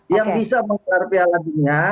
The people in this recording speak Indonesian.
yang bisa menggelar piala dunia